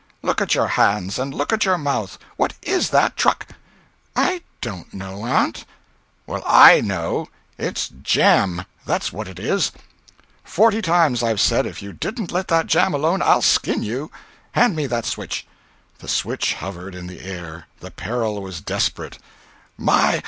Look at your hands. And look at your mouth. What is that truck?" "I don't know, aunt." "Well, I know. It's jam—that's what it is. Forty times I've said if you didn't let that jam alone I'd skin you. Hand me that switch." The switch hovered in the air—the peril was desperate— "My!